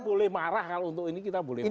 kita boleh marah kalau untuk ini kita boleh marah